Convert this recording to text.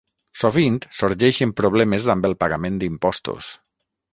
Sovint sorgeixen problemes amb el pagament d'impostos.